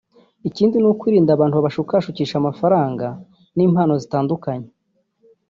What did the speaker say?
Ikindi n’ukwirinda abantu babashukisha amafaranga n’impano zitandukanye